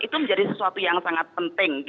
itu menjadi sesuatu yang sangat penting